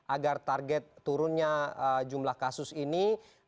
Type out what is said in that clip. agar target turunnya jumlah kasus ini